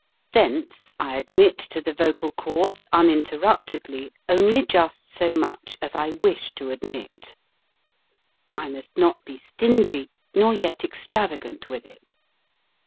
Thence I admit Vocal Cords. to the vocal cords uninterruptedly only just so much as I wish to admit. I must not be stingy, nor yet extravagant with it.